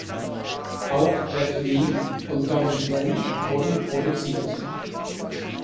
Auch Jet Li und Donnie Yen wurden produziert.